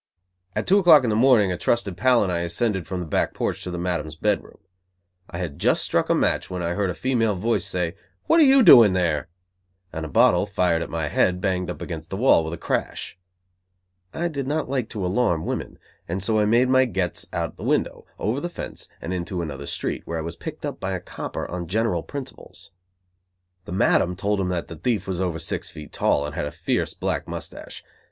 At two o'clock in the morning a trusted pal and I ascended from the back porch to the Madam's bed room. I had just struck a match, when I heard a female voice say, "What are you doing there?" and a bottle, fired at my head, banged up against the wall with a crash. I did not like to alarm women, and so I made my "gets" out the window, over the fence, and into another street, where I was picked up by a copper, on general principles. The Madam told him that the thief was over six feet tall and had a fierce black mustache.